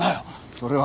それは。